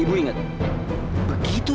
kita semua akanos